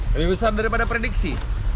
lebih besar daripada prediksi